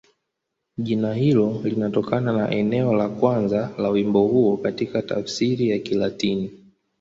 Jina hilo linatokana na neno la kwanza la wimbo huo katika tafsiri ya Kilatini.